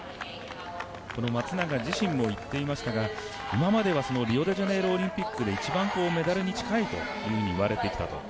この松永自身も言っていましたが今まではリオデジャネイロオリンピックで一番メダルに近いといわれてきたと。